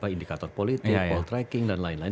indikator politik poll tracking dan lain lain